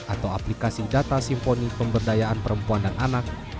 atau aplikasi data simponi pemberdayaan perempuan dan anak